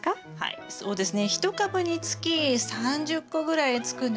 はいそうですね。